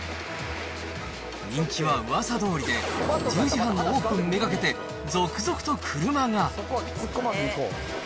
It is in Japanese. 人気はうわさどおりで、１０時半のオープン目がけて、続々と車が。